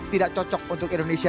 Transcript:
tidak cocok untuk indonesia